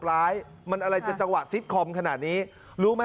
ร้ายมันอะไรจะจังหวะซิตคอมขนาดนี้รู้ไหม